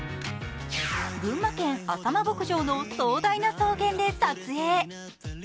群馬県・浅間牧場の壮大な草原で撮影。